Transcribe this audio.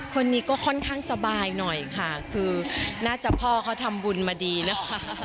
คนนี้ก็ค่อนข้างสบายหน่อยค่ะคือน่าจะพ่อเขาทำบุญมาดีนะคะ